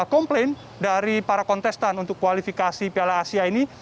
komplain dari para kontestan untuk kualifikasi piala asia ini